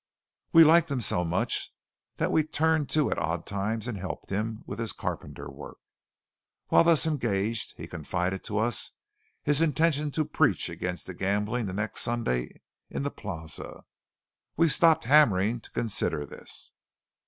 We liked him so much that we turned to at odd times and helped him with his carpenter work. While thus engaged he confided to us his intention to preach against the gambling the next Sunday in the Plaza. We stopped hammering to consider this.